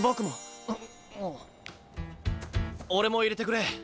俺も入れてくれ。